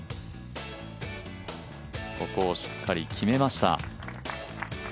ここをしっかり決めました。